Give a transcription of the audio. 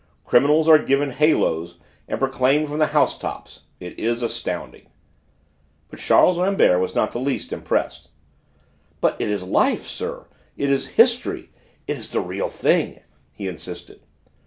Criminals are given haloes and proclaimed from the housetops. It is astounding!" But Charles Rambert was not the least impressed. "But it is life, sir; it is history, it is the real thing!" he insisted.